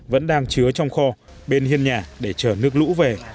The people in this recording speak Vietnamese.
vẫn đang chứa trong kho bên hiên nhà để chở nước lũ về